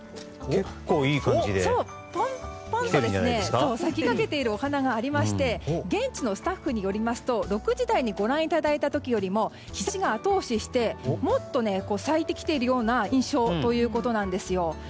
ポンポンと咲きかけているお花がありまして現地のスタッフによりますと６時台にご覧いただいた時よりも日差しが後押ししてもっと咲いてきているような印象ということなんですよ。